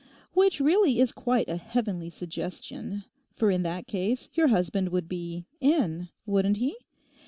Which really is quite a heavenly suggestion, for in that case your husband would be in, wouldn't he?